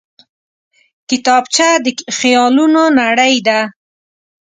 کتابچه د خیالونو نړۍ ده